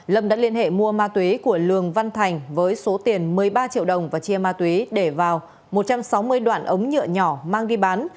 lâm đã liên hệ mua ma túy của lường văn thành với số tiền một mươi ba triệu đồng và chia ma túy để vào một trăm sáu mươi đoạn ống nhựa nhỏ mang đi bán